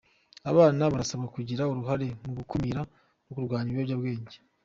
Abana barasabwa kugira uruhare mu gukumira no kurwanya ibiyobyabwenge